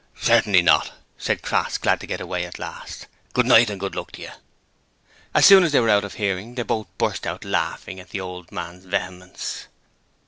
'Certainly not,' said Crass, glad to get away at last. 'Good night, and good luck to you.' As soon as they were out of hearing, they both burst out laughing at the old man's vehemence.